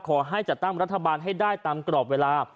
ขอให้จัดตั้งรัฐบาลให้ได้ตามกรอบเวลา